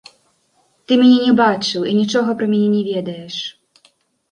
Ты мяне не бачыў і нічога пра мяне не ведаеш.